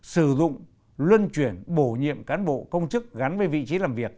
sử dụng luân chuyển bổ nhiệm cán bộ công chức gắn với vị trí làm việc